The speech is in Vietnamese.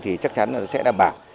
thì chắc chắn là nó sẽ đảm bảo